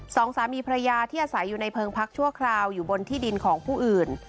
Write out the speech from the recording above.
สองสามีภรรยาที่อาศัยอยู่ในเพิงพักชั่วคราวอยู่บนที่ดินของผู้อื่น